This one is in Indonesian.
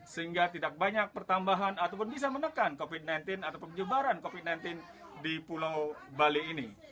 sehingga tidak banyak pertambahan ataupun bisa menekan covid sembilan belas atau penyebaran covid sembilan belas di pulau bali ini